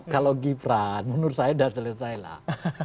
kalau gibran menurut saya udah selesailah